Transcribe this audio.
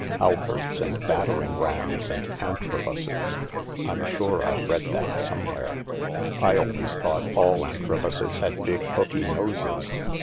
Halberds and battering rams and Antrobuses — I'm sure I've read that somewhere." "7 always thought all Antrobuses had big, hooky noses.